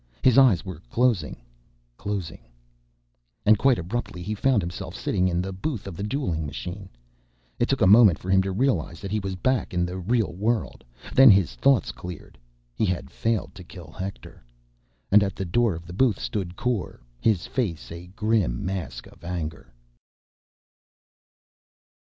His eyes were closing, closing— And, quite abruptly, he found himself sitting in the booth of the dueling machine. It took a moment for him to realize that he was back in the real world. Then his thoughts cleared. He had failed to kill Hector. And at the door of the booth stood Kor, his face a grim mask of anger.